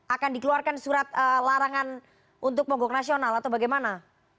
akan dikeluarkan surat larangan untuk mogok nasional atau bagaimana